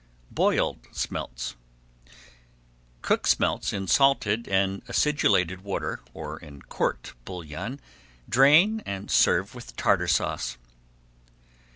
BOILED SMELTS Cook smelts in salted and acidulated water, or in court bouillon, [Page 377] drain and serve with Tartar Sauce.